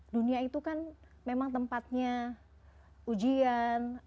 dunia itu kan memang tempatnya ujian